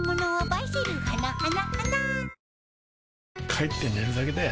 帰って寝るだけだよ